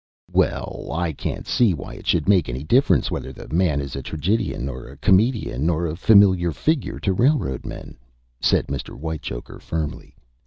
"Well, I can't see why it should make any difference whether the man is a tragedian, or a comedian, or a familiar figure to railroad men," said Mr. Whitechoker, firmly.